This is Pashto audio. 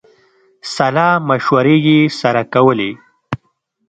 سلامشورې یې سره کولې.